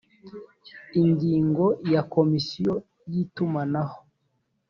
ingingo ya komisiyo y itumanaho